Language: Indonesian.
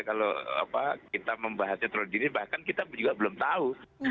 kalau kita membahasnya terlalu dini bahkan kita juga belum tahu